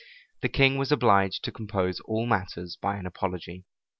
The king was obliged to compose all matters by an apology.